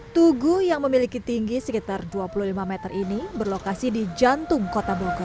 tugu yang memiliki tinggi sekitar dua puluh lima meter ini berlokasi di jantung kota bogor